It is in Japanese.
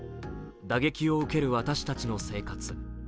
打撃を受ける私たちの生活。